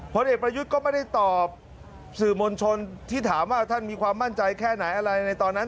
เด็กประยุทธ์ก็ไม่ได้ตอบสื่อมวลชนที่ถามว่าท่านมีความมั่นใจแค่ไหนอะไรในตอนนั้น